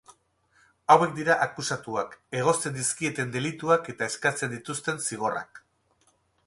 Hauek dira akusatuak, egozten dizkieten delituak eta eskatzen dituzten zigorrak.